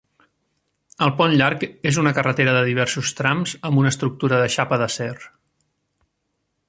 El pont llarg és una carretera de diversos trams amb una estructura de xapa d'acer.